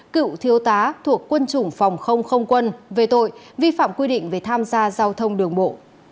cựu thiếu tá thuộc quân chủng phòng không không quân về tội vi phạm quy định về tham gia giao thông đường bộ